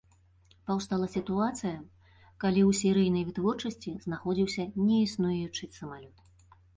Паўстала сітуацыя калі ў серыйнай вытворчасці знаходзіўся неіснуючы самалёт.